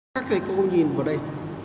các thầy cô nhìn vào đây